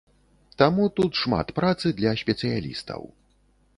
Таму тут шмат працы для спецыялістаў.